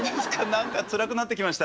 何かつらくなってきました